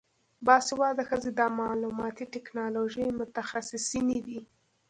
باسواده ښځې د معلوماتي ټیکنالوژۍ متخصصینې دي.